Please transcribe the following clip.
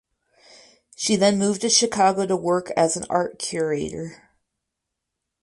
She then moved to Chicago to work as an art curator.